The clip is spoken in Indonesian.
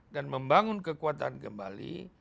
dan membangun kekuatan kembali